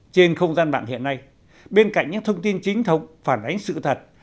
trên không gian mạng hiện nay bên cạnh những thông tin chính thống phản ánh sự thật